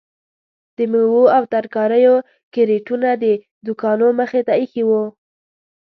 د میوو او ترکاریو کریټونه د دوکانو مخې ته ایښي وو.